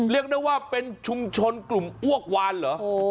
เรียกได้ว่าเป็นชุมชนกลุ่มอ้วกวานเหรอ